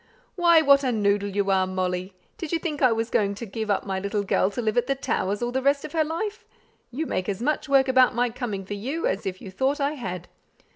"Why, what a noodle you are, Molly! Did you think I was going to give up my little girl to live at the Towers all the rest of her life? You make as much work about my coming for you, as if you thought I had.